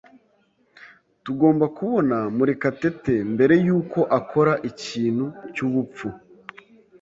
Tugomba kubona Murekatete mbere yuko akora ikintu cyubupfu.